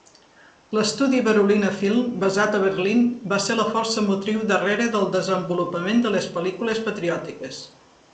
L'estudi Berolina Film, basat a Berlín va ser la força motriu darrere del desenvolupament de les "Pel·lícules patriòtiques".